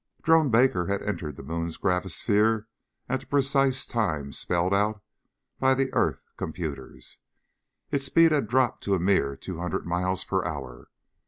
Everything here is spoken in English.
Drone Baker had entered the moon's gravisphere at the precise time spelled out by the earth computers. Its speed had dropped to a mere two hundred miles per hour.